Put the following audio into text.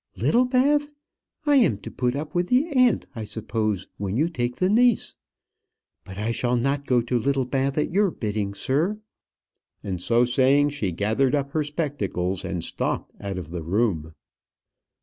"Littlebath! I am to put up with the aunt, I suppose, when you take the niece. But I shall not go to Littlebath at your bidding, sir." And so saying, she gathered up her spectacles, and stalked out of the room.